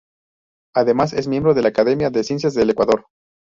Además, es miembro de la Academia de Ciencias del Ecuador.